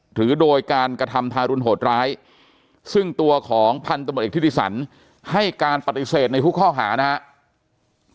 หรือโดยการกระทำทารุณโหดร้ายซึ่งตัวของพันธบทเอกธิติสันให้การปฏิเสธในทุกข้อหานะครับ